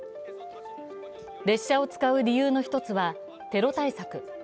列車を使う理由の１つは、テロ対策。